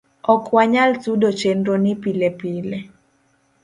ok wanyal sudo chenro ni pile pile